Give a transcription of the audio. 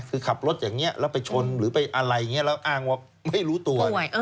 คือขับรถอย่างนี้แล้วไปชนหรือไปอะไรอย่างนี้แล้วอ้างว่าไม่รู้ตัว